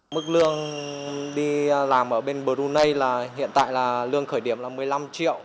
mức lương đi làm ở bên brunei hiện tại là lương khởi điểm là một mươi năm triệu